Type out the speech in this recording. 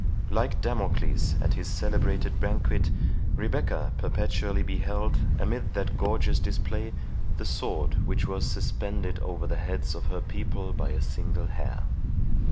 Like Damocles at his celebrated banquet, Rebecca perpetually beheld, amid that gorgeous display, the sword which was suspended over the heads of her people by a single hair.